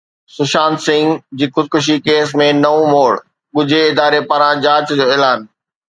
سشانت سنگهه جي خودڪشي ڪيس ۾ نئون موڙ، ڳجهي اداري پاران جاچ جو اعلان